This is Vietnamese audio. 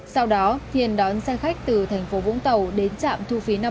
sau đó thiên đón xe khách từ thành phố vũng tàu đến trạm thu phí năm mươi một